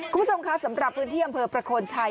คุณผู้ชมคะสำหรับพื้นที่อำเภอประโคนชัย